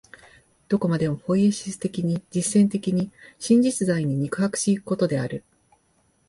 どこまでもポイエシス的に、実践的に、真実在に肉迫し行くことである。